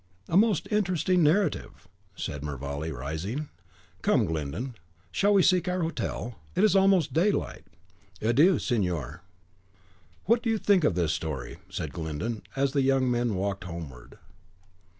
"A most interesting narrative," said Mervale, rising. "Come, Glyndon; shall we seek our hotel? It is almost daylight. Adieu, signor!" "What think you of this story?" said Glyndon, as the young men walked homeward.